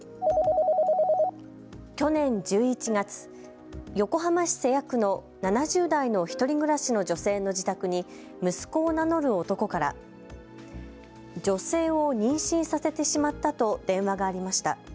去年１１月、横浜市瀬谷区の７０代の１人暮らしの女性の自宅に息子を名乗る男から女性を妊娠させてしまったと電話がありました。